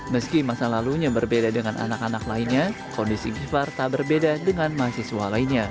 meski masa lalunya berbeda dengan anak anak lainnya kondisi givhar tak berbeda dengan mahasiswa lainnya